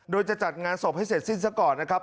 โดยจะจัดงานศพให้เสร็จสิ้นซะก่อนนะครับ